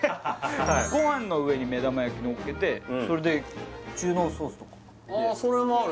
ご飯の上に目玉焼きのっけてそれで中濃ソースとかでそれもある？